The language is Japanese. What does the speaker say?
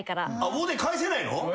「を」で返せないの？